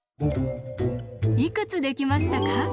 いくつできましたか？